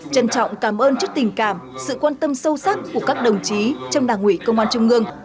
trân trọng cảm ơn trước tình cảm sự quan tâm sâu sắc của các đồng chí trong đảng ủy công an trung ương